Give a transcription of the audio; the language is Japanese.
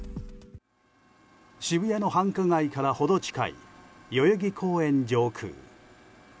渋谷の繁華街からほど近い代々木公園上空。